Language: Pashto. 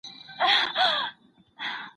خیر لږ دي وي حلال دي وي پلارجانه